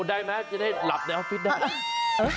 ได้ไหมจะได้หลับในออฟฟิศได้